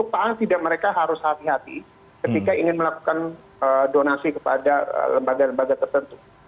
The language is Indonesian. paling tidak mereka harus hati hati ketika ingin melakukan donasi kepada lembaga lembaga tertentu